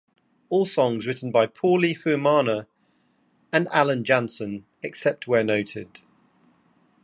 All songs written by Pauly Fuemana and Alan Jansson except where noted.